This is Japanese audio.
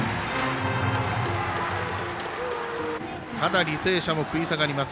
ただ履正社も食い下がります。